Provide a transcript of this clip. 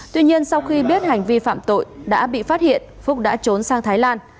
tuy nhiên sau khi biết hành vi phạm tội đã bị phát hiện phúc đã trốn sang thái lan